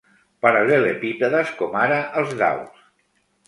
Paral·lelepípedes com ara els daus.